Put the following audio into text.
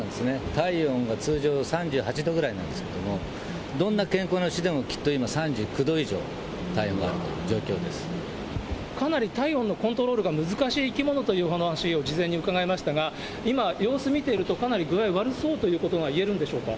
体温が通常３８度ぐらいなんですけれども、どんな健康な牛でも、きっと今、３９度以上、体温があるという状かなり体温のコントロールが難しい生き物というお話を事前に伺いましたが、今、様子見ていると、かなり具合悪そうということがいえるんでしょうか。